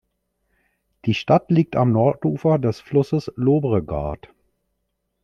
Die Stadt liegt am Nordufer des Flusses Llobregat.